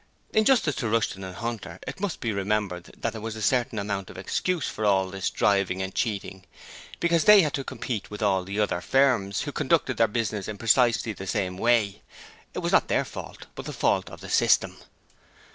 In justice to Rushton and Hunter, it must be remembered that there was a certain amount of excuse for all this driving and cheating, because they had to compete with all the other firms, who conducted their business in precisely the same way. It was not their fault, but the fault of the system.